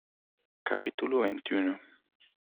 capítulo veintiuno.